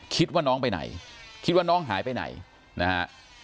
คิดว่าน้องไปไหนคิดว่าน้องหายไปไหนนะฮะ